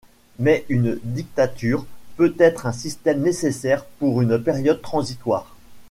Mais une dictature peut être un système nécessaire pour une période transitoire.